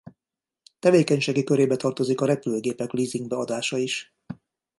Tevékenységi körébe tartozik a repülőgépek lízingbe adása is.